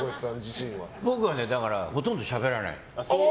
僕はねだからほとんどしゃべらない。